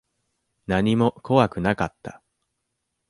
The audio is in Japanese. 何も怖くなかった。